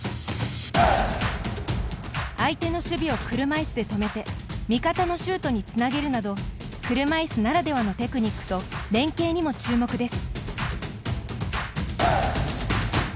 相手の守備を車いすで止めて味方のシュートにつなげるなど車いすならではのテクニックと連係にも注目です。